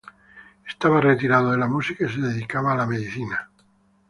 Estaba retirado de la música y se dedicaba a la medicina.